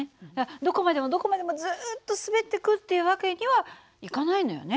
どこまでもどこまでもずっと滑っていくっていう訳にはいかないのよね。